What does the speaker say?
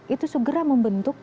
itu segera membentuk